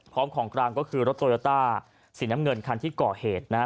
ของกลางก็คือรถโตโยต้าสีน้ำเงินคันที่ก่อเหตุนะฮะ